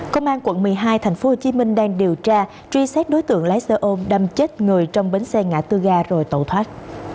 công an quận một mươi hai tp hcm đang điều tra truy xét đối tượng lái xe ôm đâm chết người trong bến xe ngã tư ga rồi tẩu thoát